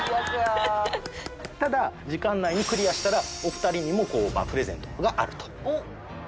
ただ時間内にクリアしたらお二人にもプレゼントがあると。